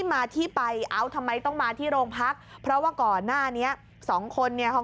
หมื่นคะเต่าะสะเค็ดแนวนี่กับโบทู